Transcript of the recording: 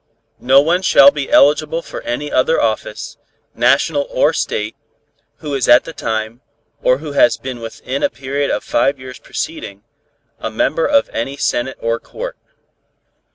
No one shall be eligible for any other office, National or State, who is at the time, or who has been within a period of five years preceding, a member of any Senate or Court.